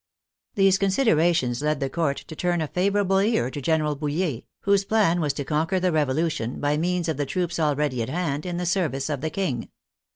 These considerations led the Court to turn a favorable ear to General Bouille, whose plan was to conquer the Revolution by means of the troops already at hand in the service of the King.